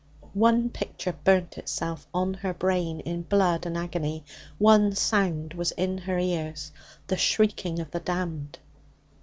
One picture burnt itself on her brain in blood and agony. One sound was in her ears the shrieking of the damned.